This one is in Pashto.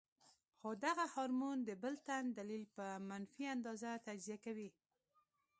خو دغه هارمون د بل تن دليل پۀ منفي انداز تجزيه کوي -